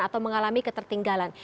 atau mengalami ketertinggalan